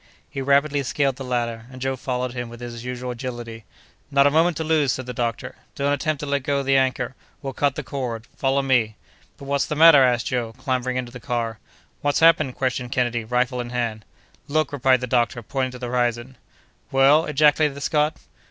He rapidly scaled the ladder, and Joe followed him with his usual agility. "Not a moment to lose!" said the doctor. "Don't attempt to let go the anchor! We'll cut the cord! Follow me!" "But what's the matter?" asked Joe, clambering into the car. "What's happened?" questioned Kennedy, rifle in hand. "Look!" replied the doctor, pointing to the horizon. "Well?" ejaculated the Scot.